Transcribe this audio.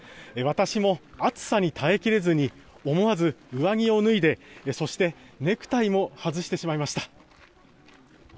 私も暑さに耐えきれずに思わず上着を脱いでそしてネクタイも外してしまいました。